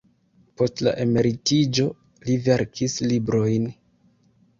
Post la emeritiĝo li verkis librojn.